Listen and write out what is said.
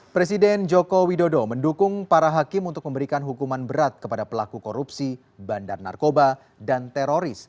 presiden joko widodo mendukung para hakim untuk memberikan hukuman berat kepada pelaku korupsi bandar narkoba dan teroris